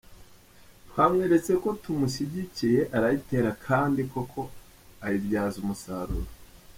Twamweretse ko tumushyigikiye arayitera kandi koko ayibyaza umusaruro.